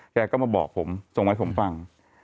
แกก็มาบอกผมส่งให้ผมฟัง